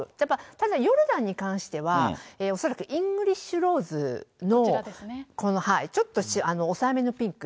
ただヨルダンに関しては、恐らくイングリッシュローズのこのちょっと抑えめのピンク。